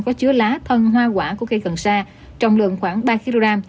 có chứa lá thân hoa quả của cây cần sa trọng lượng khoảng ba kg